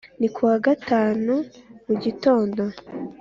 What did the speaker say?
ni ku wa gatanu mu gitondo.